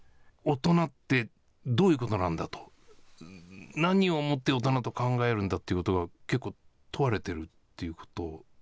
大人ってどういうことなんだと、何をもって大人と考えるんだということが結構、問われてるっていうこと。